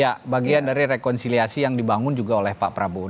ya bagian dari rekonsiliasi yang dibangun juga oleh pak prabowo